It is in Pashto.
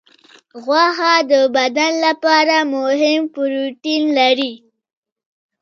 غوښه د بدن لپاره مهم پروټین لري.